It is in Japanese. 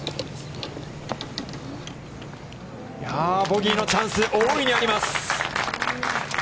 ボギーのチャンス、大いにあります。